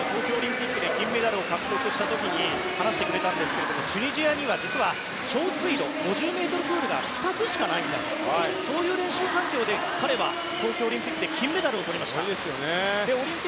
東京オリンピックで金メダルを獲得した時に話してくれたんですがチュニジアは長水路、５０ｍプールが２つしかないという環境で東京オリンピックでメダルを取ったんです。